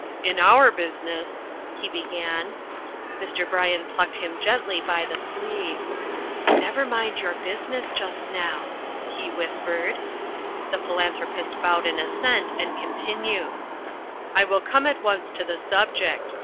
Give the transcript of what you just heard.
"In our business " he began. Mr. Bryan plucked him gently by the sleeve. "Never mind your business just now," he whispered. The Philanthropist bowed in assent and continued: "I will come at once to the subject.